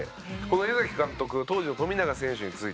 この江崎監督当時の富永選手について。